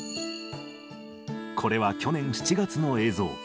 これは去年７月の映像。